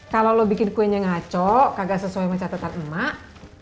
kalau lo bikin kuenya ngaco agak sesuai catatan emak